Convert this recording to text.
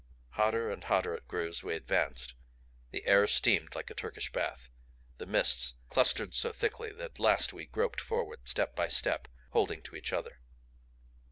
Hotter and hotter it grew as we advanced; the air steamed like a Turkish bath. The mists clustered so thickly that at last we groped forward step by step, holding to each other.